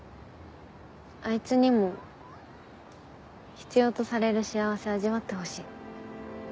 あいつにも必要とされる幸せ味わってほしい。